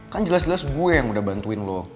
kan jelas jelas gue yang udah bantuin loh